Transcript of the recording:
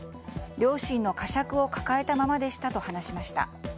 良心の呵責を抱えたままでしたと話しました。